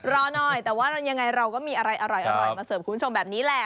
รอหน่อยแต่ว่ายังไงเราก็มีอะไรอร่อยมาเสิร์ฟคุณผู้ชมแบบนี้แหละ